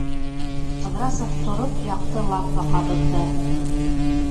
Ҡыҙрасов тороп яҡты лампа ҡабыҙҙы.